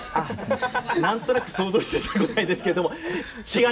何となく想像してた答えですけれども違います！